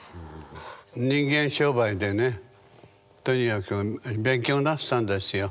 人間商売でねとにかく勉強なすったんですよ。